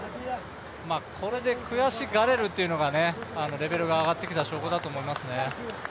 これで悔しがれるというのがレベルが上がってきた証拠だと思いますね。